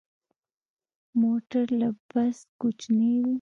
موټر له بس کوچنی وي.